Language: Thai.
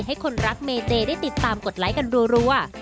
ให้คนรักเมเจได้ติดตามกดไลค์กันรัว